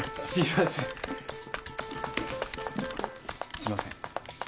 すいません。